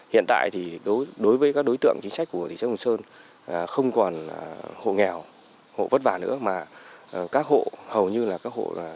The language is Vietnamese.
hiện tại thì đối với các đối tượng chính sách của thị trấn hùng sơn không còn hộ nghèo hộ vất vả nữa